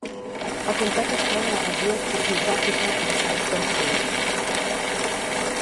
El comtat es troba a la regió fisiogràfica de Sandstone Hills.